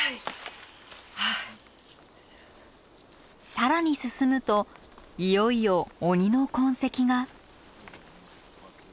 更に進むといよいよ鬼の痕跡が。